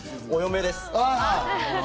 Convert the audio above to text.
お嫁です。